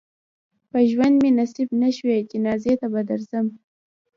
په ژوند مې نصیب نه شوې جنازې ته دې درځم.